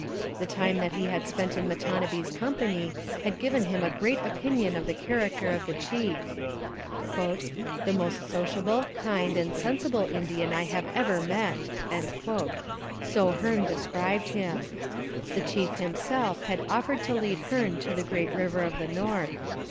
The time that he had spent in Matonabbee's company had given him a great opinion of the character of the chief; 'the most sociable, kind, and sensible Indian I have ever met' so Hearne described him. The chief himself had offered to lead Hearne to the great river of the north.